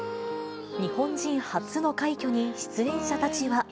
日本人初の快挙に出演者たちは。